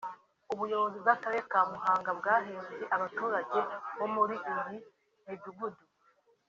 ubuyobozi bw’akarere ka Muhanga bwahembye abaturage bo muri iyi midugugu